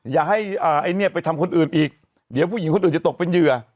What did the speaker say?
อย่าให้ไอ้เนี่ยไปทำคนอื่นอีกเดี๋ยวผู้หญิงคนอื่นจะตกเป็นเหยื่อ